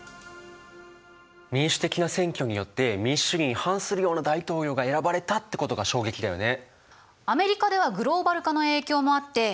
民主的な選挙によって民主主義に反するような大統領が選ばれたってことが衝撃だよね。